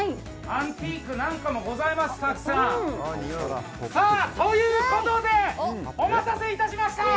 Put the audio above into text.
アンティークなんかもございますたくさん。ということでお待たせいたしました。